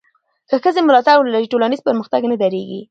که ښځې ملاتړ ولري، ټولنیز پرمختګ نه درېږي.